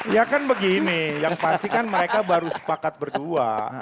ya kan begini yang pasti kan mereka baru sepakat berdua